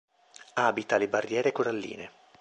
Abita le barriere coralline.